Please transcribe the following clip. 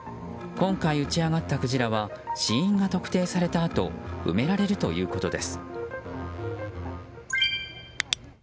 今回打ち揚がったクジラは死因が特定されたあと埋められるということです。